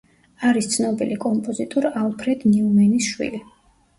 არის ცნობილი კომპოზიტორ ალფრედ ნიუმენის შვილი.